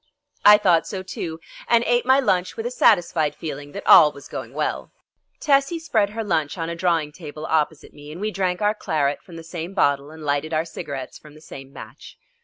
I thought so too, and ate my lunch with a satisfied feeling that all was going well. Tessie spread her lunch on a drawing table opposite me and we drank our claret from the same bottle and lighted our cigarettes from the same match.